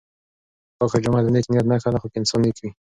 پاکه جامه د نېک نیت نښه ده خو که انسان نېک وي.